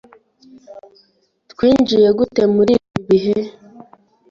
Twinjiye gute muri ibi bihe?